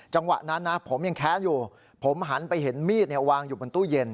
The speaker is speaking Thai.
จังหวะนั้นนะผมยังแค้นอยู่ผมหันไปเห็นมีดวางอยู่บนตู้เย็น